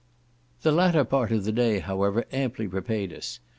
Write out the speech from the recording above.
The latter part of the day, however, amply repaid us.